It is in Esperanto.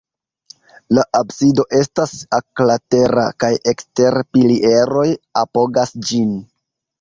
La absido estas oklatera kaj ekstere pilieroj apogas ĝin.